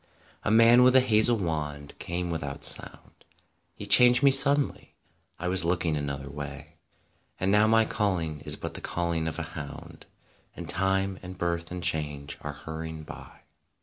22 A man with a hazel wand came without sound; He changed me suddenly; I was looking an other way; And now my calling is but the calling of a hound ; And Time and Birth and Change are hurry ing by.